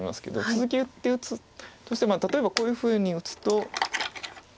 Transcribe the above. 続けて打つとして例えばこういうふうに打つと。